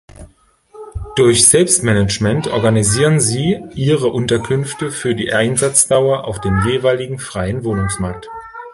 Durch Selbstmanagement organisieren sie ihre Unterkünfte für die Einsatzdauer auf dem jeweiligen „freien Wohnungsmarkt“.